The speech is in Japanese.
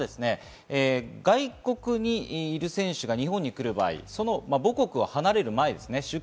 外国にいる選手が日本に来る場合、その母国を離れる前です。